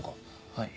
はい。